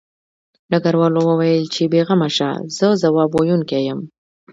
ډګروال وویل چې بې غمه شه زه ځواب ویونکی یم